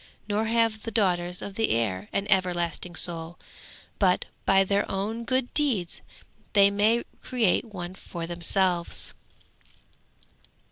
Nor have the daughters of the air an everlasting soul, but by their own good deeds they may create one for themselves.